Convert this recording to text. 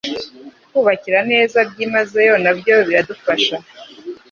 kubakira neza byimazeyo nabyo biradufasha